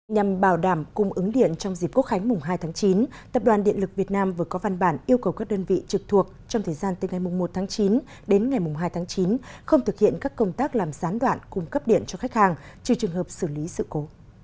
nhằm bảo đảm cung ứng điện trong dịp quốc khánh mùng hai tháng chín tập đoàn điện lực việt nam vừa có văn bản yêu cầu các đơn vị trực thuộc trong thời gian từ ngày một tháng chín đến ngày hai tháng chín không thực hiện các công tác làm gián đoạn cung cấp điện cho khách hàng trừ trường hợp xử lý sự cố